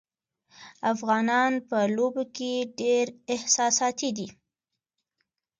افغانان په لوبو کې ډېر احساساتي دي.